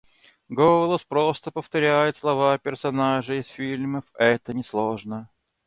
Голос просто повторяет слова персонажей из фильмов, это несложно.